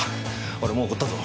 俺もう怒ったぞ。